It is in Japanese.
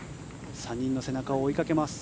３人の背中を追いかけます。